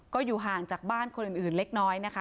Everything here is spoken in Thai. ก็อยู่ห่างจากบ้านคนอื่นเล็กน้อยนะคะ